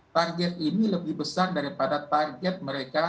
target ini lebih besar daripada target mereka